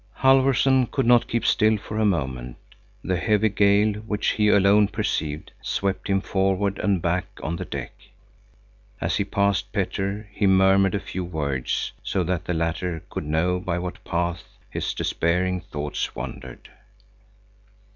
Halfvorson could not keep still for a moment. The heavy gale, which he alone perceived, swept him forward and back on the deck. As he passed Petter, he murmured a few words, so that the latter could know by what paths his despairing thoughts wandered.